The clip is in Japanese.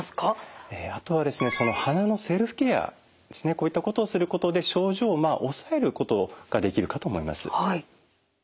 こういったことをすることで症状を抑えることができるかと思います。